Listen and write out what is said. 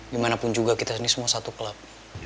dimanapun juga kita ini semua satu klub